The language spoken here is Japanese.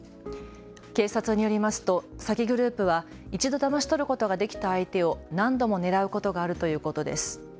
警察によりますと詐欺グループは一度だまし取ることができた相手を何度も狙うことがあるということです。